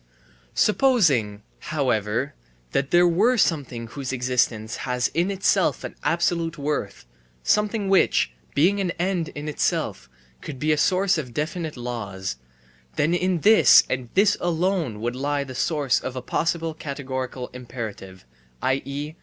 Supposing, however, that there were something whose existence has in itself an absolute worth, something which, being an end in itself, could be a source of definite laws; then in this and this alone would lie the source of a possible categorical imperative, i.e.